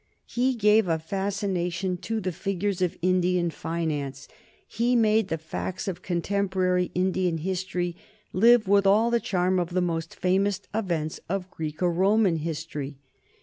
He gave a fascination to the figures of Indian finance; he made the facts of contemporary Indian history live with all the charm of the most famous events of Greek or Roman history.